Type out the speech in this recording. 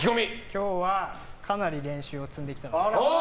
今日はかなり練習を積んできたので。